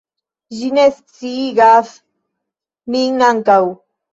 Ĝi ne sciigas min ankaŭ!